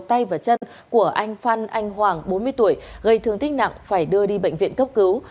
tay và chân của anh phan anh hoàng bốn mươi tuổi gây thương tích nặng phải đưa đi bệnh viện cấp cứu